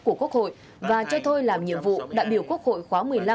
của quốc hội và cho thôi làm nhiệm vụ đại biểu quốc hội khóa một mươi năm